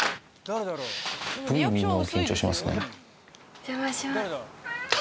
お邪魔します